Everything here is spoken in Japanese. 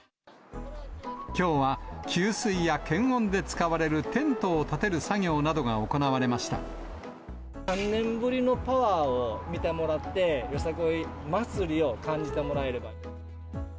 きょうは給水や検温で使われるテントを立てる作業などが行われま３年ぶりのパワーを見てもらって、よさこい祭りを感じてもらえれば。